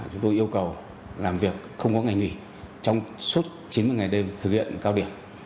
chúng tôi yêu cầu làm việc không có ngày nghỉ trong suốt chín mươi ngày đêm thực hiện cao điểm